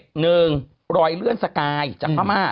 หนึ่งรอยเลื่อนสกายจากพม่า